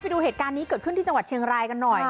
ดูเหตุการณ์นี้เกิดขึ้นที่จังหวัดเชียงรายกันหน่อย